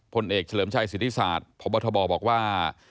ผลเอกเฉลิมชัยสิทธิศาสตร์พบทบบอกว่า